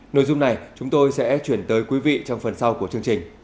nội dung này chúng tôi sẽ chuyển tới quý vị trong phần sau của chương trình